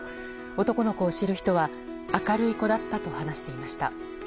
男の子を知る人は明るい子だったと話していました。